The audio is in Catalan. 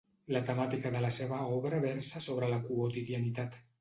La temàtica de la seva obra versa sobre la quotidianitat.